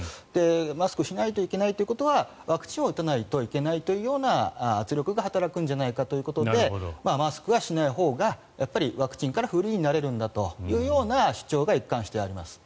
マスクをしないといけないということはワクチンを打たないといけないというような圧力が働くんじゃないかということでマスクはしないほうがやっぱりワクチンからフリーになれるんだという主張が一貫してあります。